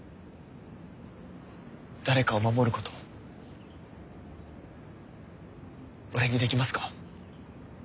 誰かを守ること俺にできますか？